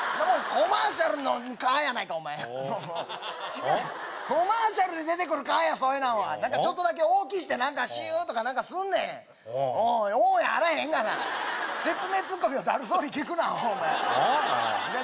コマーシャルの蚊やないかお前違うコマーシャルに出てくる蚊やそういうなんはちょっとだけ大きいしてシューとか何かすんねんおお「おお」やあらへんがな説明ツッコミをだるそうに聞くなあ？